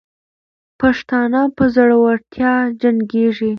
پښتانه په زړورتیا جنګېږي.